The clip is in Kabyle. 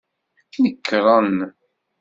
Nekren.